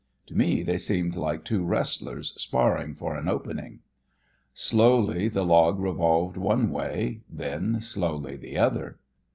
To me they seemed like two wrestlers sparring for an opening. Slowly the log revolved one way; then slowly the other.